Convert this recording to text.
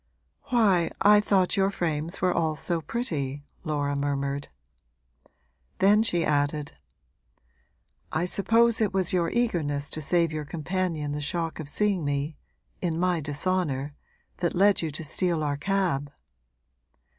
'Why, I thought your frames were all so pretty!' Laura murmured. Then she added: 'I suppose it was your eagerness to save your companion the shock of seeing me in my dishonour that led you to steal our cab.'